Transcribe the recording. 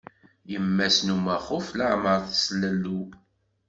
Yemma-s n umaxuf leεmer teslalew.